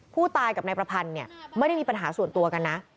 ผู้ตายกับนายประพันธ์ไม่ได้มีปัญหาส่วนตัวกันนะ